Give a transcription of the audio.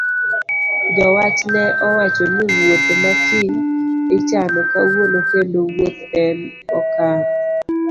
Jowach ne owacho ni wuoth ma kiny ichano kawuono kendo wuoth en okang'